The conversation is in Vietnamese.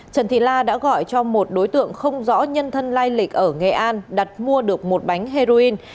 trần thị la đã gọi cho một đối tượng không rõ nhân thân lai lịch ở nghệ an đặt mua được một bánh heroin